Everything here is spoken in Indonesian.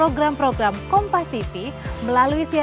akan mencalonkan diri kembali di munas nanti pak